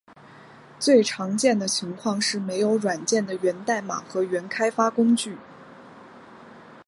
最常见的情况是没有软件的源代码和原开发工具。